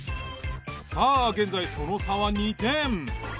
さあ現在その差は２点。